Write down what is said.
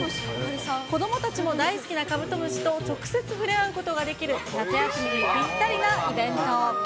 子どもたちも大好きなカブトムシと直接触れ合うことができる夏休みにぴったりなイベント。